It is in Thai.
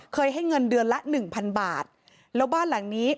ให้เงินเดือนละหนึ่งพันบาทแล้วบ้านหลังนี้